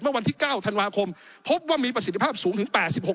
เมื่อวันที่๙ธันวาคมพบว่ามีประสิทธิภาพสูงถึง๘๖